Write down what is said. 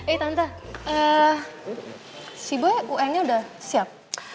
eh tante si boya un nya udah siap